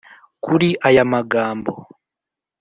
kuri aya magambo: